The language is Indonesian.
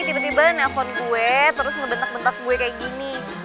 tiba tiba nelfon gue terus ngebentak bentak gue kayak gini